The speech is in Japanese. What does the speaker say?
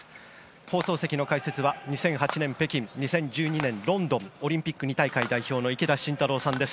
放送席の解説は２００８年北京２０１２年ロンドンオリンピック代表池田信太郎さんです。